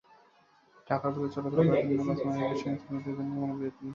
ঢাকার পথে চলাচল করা অন্য বাস-মালিকদের সঙ্গে শ্রমিকদের কোনো বিরোধ নেই।